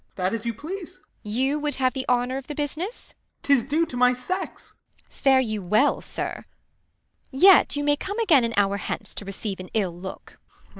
Ben. That as you please. Beat. You would have the honour of the business 1 Ben. 'Tis due to my sex. Beat. Fare you well, sir ! yet you May come again an hour hence, to receive An ill look.